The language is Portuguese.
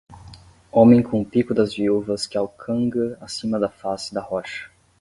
Homem com o pico das viúvas que alcanga acima da face da rocha.